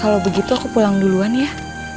kalau begitu aku pulang duluan ya